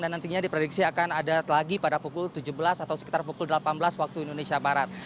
dan nantinya diprediksi akan ada lagi pada pukul tujuh belas atau sekitar pukul delapan belas waktu indonesia barat